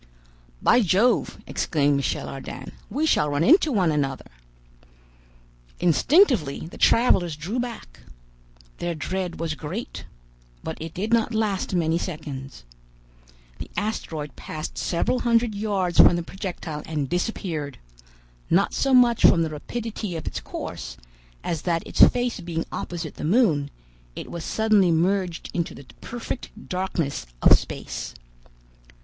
"By Jove!" exclaimed Michel Ardan, "we shall run into one another!" Instinctively the travelers drew back. Their dread was great, but it did not last many seconds. The asteroid passed several hundred yards from the projectile and disappeared, not so much from the rapidity of its course, as that its face being opposite the moon, it was suddenly merged into the perfect darkness of space.